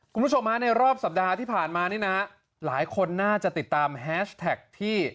คุณผู้ชมฮะในรอบสัปดาห์ที่ผ่านมานี่นะหลายคนน่าจะติดตามแฮชแท็กที่